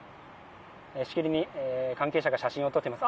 しきりに関係者が写真を撮っています。